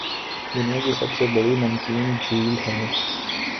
دنیاکی سب سے بڑی نمکین جھیل ہے